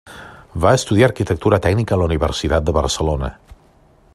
Va estudiar Arquitectura Tècnica a la Universitat de Barcelona.